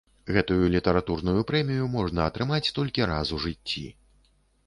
Гэтую літаратурную прэмію можна атрымаць толькі раз у жыцці.